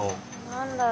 何だろう？